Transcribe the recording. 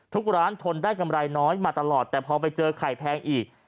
ทุกร้านทนได้กำไรน้อยมาตลอดแต่พอไปเจอไข่แพงอีก